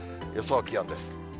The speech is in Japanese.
予想気温です。